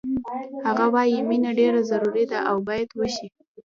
هغه وایی مینه ډېره ضروري ده او باید وشي